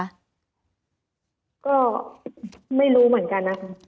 ก็ไม่รู้เหมือนกันนะคะ